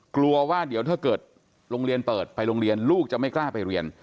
กลัวว่าเดี๋ยวถ้าเกิดโรงเรียนเปิดไปโรงเรียนลูกจะไม่กล้าไปเรียน